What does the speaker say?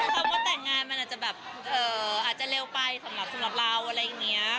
ความว่าแต่งงานมันอาจจะแบบเอ่ออาจจะเร็วไปสำหรับสำหรับเราอะไรอย่างเงี้ย